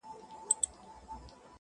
چي تلاوت وي ورته خاندي ـ موسيقي ته ژاړي